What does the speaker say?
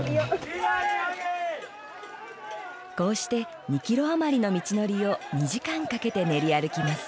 こうして２キロ余りの道のりを２時間かけて練り歩きます。